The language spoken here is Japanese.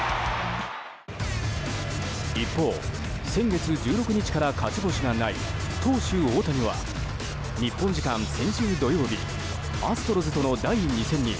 一方、先月１６日から勝ち星がない投手・大谷は日本時間先週土曜日アストロズとの第２戦に